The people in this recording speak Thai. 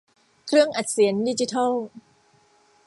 เครื่องอัดเสียงดิจิทัล